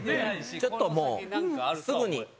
ちょっとすぐに。